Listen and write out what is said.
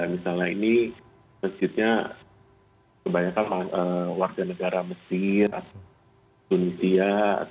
misalnya ini masjidnya kebanyakan warga negara mesir atau tunisia